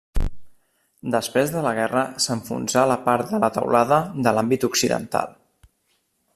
Després de la guerra s'enfonsà la part de la teulada de l'àmbit occidental.